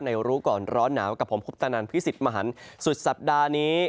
รู้ก่อนร้อนหนาวกับผมคุปตนันพิสิทธิ์มหันสุดสัปดาห์นี้